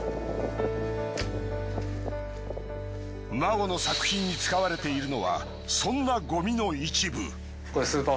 ＭＡＧＯの作品に使われているのはそんなゴミの一部。